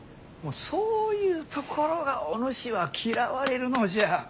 そういうところがおぬしは嫌われるのじゃ。